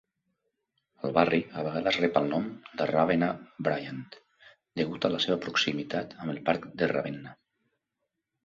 El barri a vegades rep el nom de Ravenna-Bryant, degut a la seva proximitat amb el parc de Ravenna.